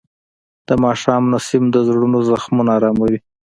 د ماښام نسیم د زړونو زخمونه آراموي.